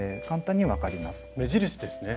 目印ですね。